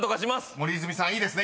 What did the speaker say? ［森泉さんいいですね？］